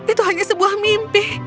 itu hanya sebuah mimpi